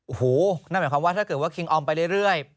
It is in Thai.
โอ้โหนั่นหมายความว่าถ้าเกิดว่าคิงออมไปเรื่อย